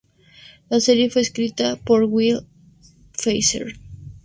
La serie fue escrita por Will Pfeifer.